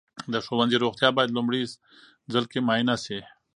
د ښوونځي روغتیا باید لومړي ځل کې معاینه سي.